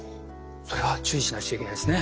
それは注意しなくちゃいけないですね。